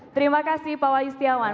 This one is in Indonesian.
terima kasih pak wahyu setiawan